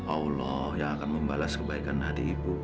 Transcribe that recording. allah yang akan membalas kebaikan hati ibu